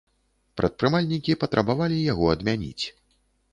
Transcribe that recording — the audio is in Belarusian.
Прадпрымальнікі патрабавалі яго адмяніць.